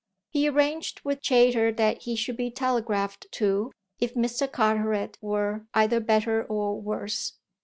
He arranged with Chayter that he should be telegraphed to if Mr. Carteret were either better or worse.